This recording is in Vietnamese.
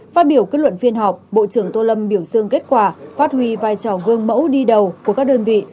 phát biểu kết luận phiên họp bộ trưởng tô lâm biểu dương kết quả phát huy vai trò gương mẫu đi đầu của các đơn vị